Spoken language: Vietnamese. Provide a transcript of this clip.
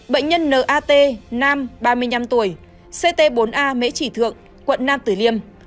bệnh nhân n a t nam ba mươi năm tuổi ct bốn a mễ trị thượng quận nam tử liêm